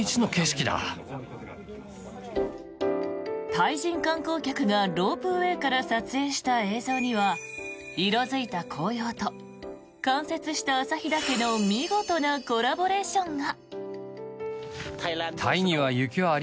タイ人観光客がロープウェーから撮影した映像には色付いた紅葉と冠雪した旭岳の見事なコラボレーションが。